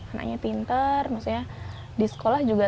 anaknya pinter maksudnya di sekolah juga